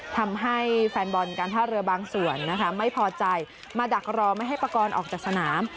ทำให้แฟนบอลการท่าเรือบางส่วนนะคะไม่พอใจมาดักรอไม่ให้ปากรออกจากสนาม